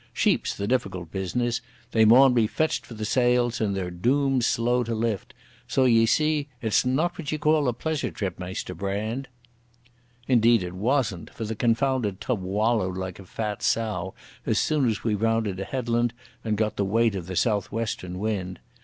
Sheep's the difficult business. They maun be fetched for the sales, and they're dooms slow to lift. So ye see it's not what ye call a pleasure trip, Maister Brand." Indeed it wasn't, for the confounded tub wallowed like a fat sow as soon as we rounded a headland and got the weight of the south western wind.